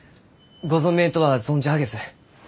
ご存命とは存じ上げず。